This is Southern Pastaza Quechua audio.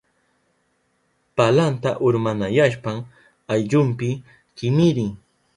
Palanta urmanayashpan ayllunpi kimirin.